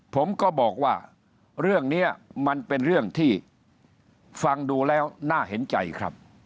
ผมก็บอกว่าเรื่องนี้มันเป็นเรื่องที่ฟังดูแล้วน่าเห็นใจครับ